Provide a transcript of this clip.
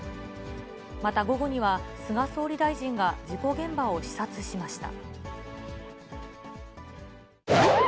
また午後には、菅総理大臣が事故現場を視察しました。